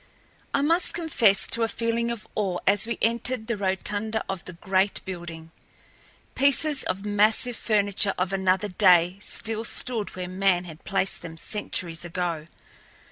I must confess to a feeling of awe as we entered the rotunda of the great building. Pieces of massive furniture of another day still stood where man had placed them centuries ago.